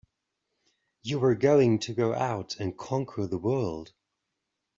You were going to go out and conquer the world!